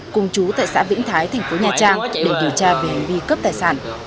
cùng chú tại xã vĩnh thái tp nhcm để điều tra về hành vi cướp tài sản